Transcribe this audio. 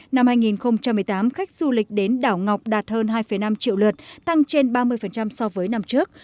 năm hai nghìn một mươi tám khách du lịch đến đảo ngọc đạt hơn hai năm triệu lượt tăng trên ba mươi so với năm trước